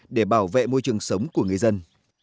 để bảo vệ môi trường sống của người dân